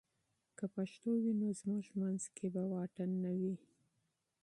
که پښتو وي، نو زموږ منځ کې فاصله به نه وي.